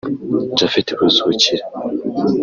Japhet Buzukira